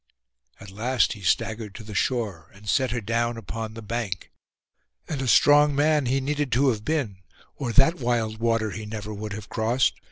At last he staggered to the shore, and set her down upon the bank; and a strong man he needed to have been, or that wild water he never would have crossed.